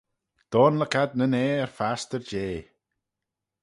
doanluck ad nyn ayr fastyr jea